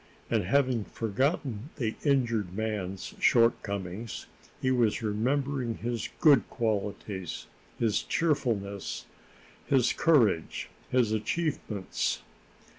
And, having forgotten the injured man's shortcomings, he was remembering his good qualities his cheerfulness, his courage, his achievements.